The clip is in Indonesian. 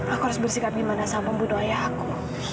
aku harus bersikap gimana sama budo ayah aku